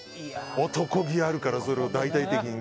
男気あるから、それを大々的に。